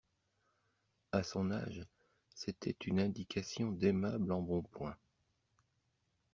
A son âge, c'était une indication d'aimable embonpoint.